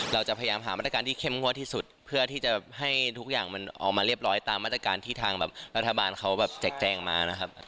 เราจะพยายามหามาตรการที่เข้มงวดที่สุดเพื่อที่จะให้ทุกอย่างมันออกมาเรียบร้อยตามมาตรการที่ทางแบบรัฐบาลเขาแบบแจกแจงมานะครับ